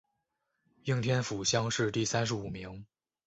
应天府乡试第三十五名。